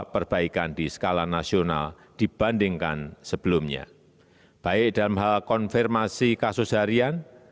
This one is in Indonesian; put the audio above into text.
perbaikan di skala nasional dibandingkan sebelumnya baik dalam hal konfirmasi kasus harian